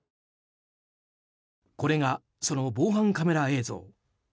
これがその防犯カメラ映像。